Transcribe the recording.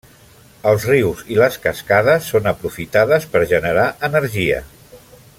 Els rius i les cascades són aprofitades per generar energia.